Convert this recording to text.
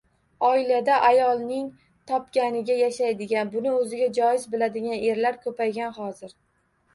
Oilada ayolning topganiga yashaydigan, buni o‘ziga joiz biladigan erlar ko‘paygan hozir.